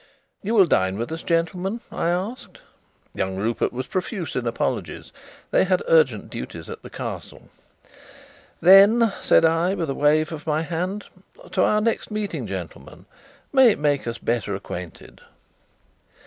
"You will dine with us, gentlemen?" I asked. Young Rupert was profuse in apologies. They had urgent duties at the Castle. "Then," said I, with a wave of my hand, "to our next meeting, gentlemen. May it make us better acquainted."